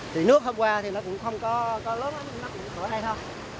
thì nước hôm qua thì nó cũng không có lớn nó cũng cửa đây thôi